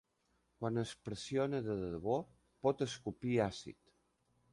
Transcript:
Quan es pressiona de debò, pot escopir àcid.